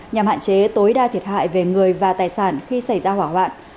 nhằm hạn chế tối đa thiệt hại về người và tài sản khi xảy ra hỏa hoạn